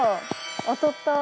当たった。